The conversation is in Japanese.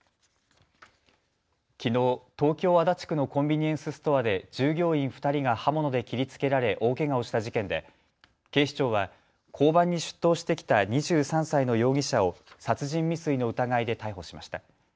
きのう、東京足立区のコンビニエンスストアで従業員２人が刃物で切りつけられ大けがをした事件で警視庁は交番に出頭してきた２３歳の容疑者を殺人未遂の疑いで逮捕しました。